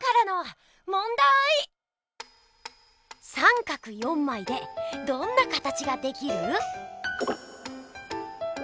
三角４まいでどんなかたちができる？